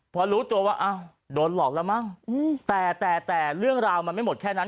พอรู้ตัวว่าอ้าวโดนหลอกแล้วมั้งแต่แต่เรื่องราวมันไม่หมดแค่นั้น